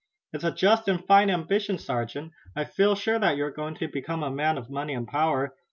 "It's a just and fine ambition, sergeant, I feel sure that you're going to become a man of money and power.